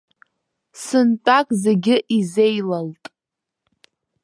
Сынтәак зегьы изеилалт.